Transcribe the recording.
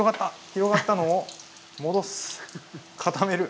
広がったのを戻す固める！